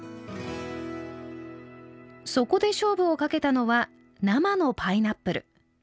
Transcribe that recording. そこで勝負をかけたのは生のパイナップル。